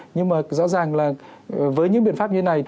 nhưng mà rõ ràng là với những biện pháp như này